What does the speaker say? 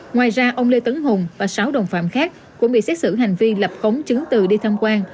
ngoài ra ông lê tấn hùng và sáu đồng phạm khác cũng bị xét xử hành vi lập khống chứng từ đi tham quan